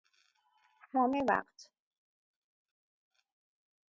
همه وقت